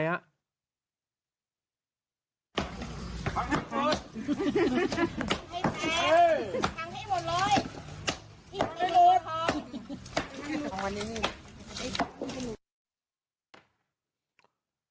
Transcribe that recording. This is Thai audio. พังให้หมดเลย